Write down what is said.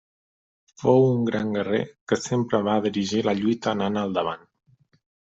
Fou un gran guerrer que sempre va dirigir la lluita anant al davant.